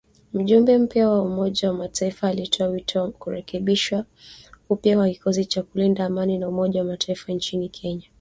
Mjumbe mpya wa Umoja wa mataifa alitoa wito wa kurekebishwa upya kwa kikosi cha kulinda amani cha Umoja wa Mataifa nchini Kenya